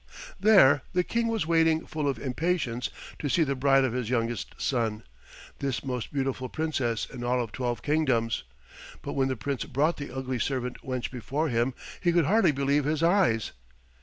There the King was waiting full of impatience to see the bride of his youngest son, this most beautiful Princess in all of twelve kingdoms. But when the Prince brought the ugly servant wench before him he could hardly believe his eyes.